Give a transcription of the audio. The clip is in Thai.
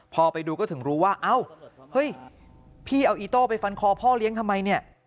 พอไปดูก็ถึงรู้ว่าเอ้าเฮ้ยพี่เอาอีโต้ไปฟันคอพ่อเลี้ยงทำไมเนี่ย